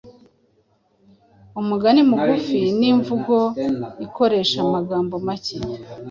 Umugani mugufi ni imvugo ikoresha amagambo make,